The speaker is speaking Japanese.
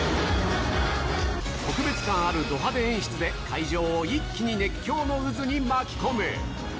特別感あるド派手演出で、会場を一気に熱狂の渦に巻き込む。